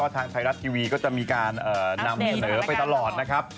ทางไทยรัฐทีวีก็จะมีการนำเสนอไปตลอดนะครับ